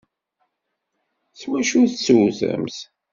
S wacu tettewtemt?